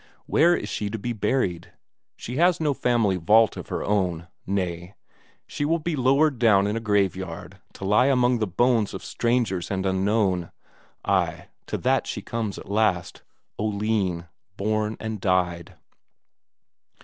Where is she to be buried? She has no family vault of her own; nay, she will be lowered down in a graveyard to lie among the bones of strangers and unknown; ay, to that she comes at last Oline, born and died.